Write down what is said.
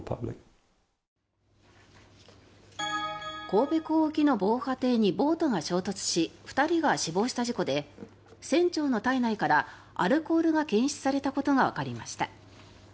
神戸港沖の防波堤にボートが衝突し２人が死亡した事故で船長の体内からアルコールが検出されたことがわかりました。